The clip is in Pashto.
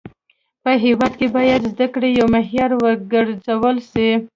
په هيواد کي باید زده کړه يو معيار و ګرځول سي.